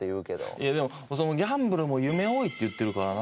いやでもそのギャンブルも「夢追い」って言ってるからな。